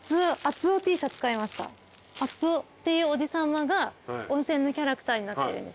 あつおっていうおじさまが温泉のキャラクターになってるんです。